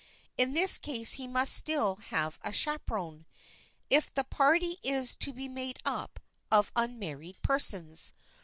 In this case he must still have a chaperon,—if the party is to be made up of unmarried persons.